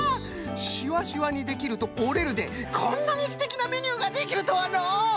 「しわしわにできる」と「おれる」でこんなにすてきなメニューができるとはのう！